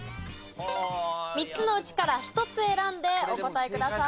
３つのうちから１つ選んでお答えください。